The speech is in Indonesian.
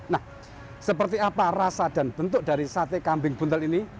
nah seperti apa rasa dan bentuk dari sate kambing buntal ini